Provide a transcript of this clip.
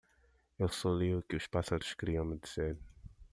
Eu só li o que os pássaros queriam me dizer.